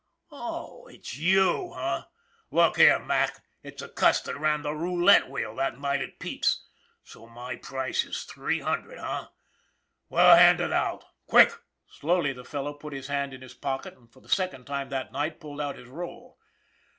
Oh, it's you, eh? Look here, Mac, it's the cuss that ran the roulette wheel that night at Pete's. So my price is three hundred, eh ? Well, hand it out. Quick!" Slowly the fellow put his hand in his pocket and for the second time that night pulled out his roll.